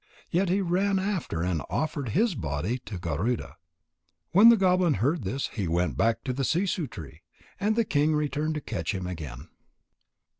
Yet he ran after and offered his body to Garuda." When the goblin heard this, he went back to the sissoo tree. And the king returned to catch him again.